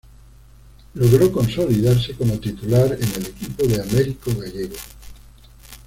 Logró consolidarse como titular en el equipo de Americo Gallego.